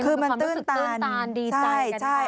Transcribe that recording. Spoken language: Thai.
คือมันคือความรู้สึกตื่นตัน